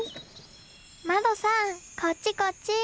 まどさんこっちこっち！